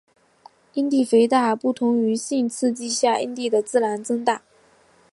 阴蒂肥大不同于性刺激下阴蒂的自然增大。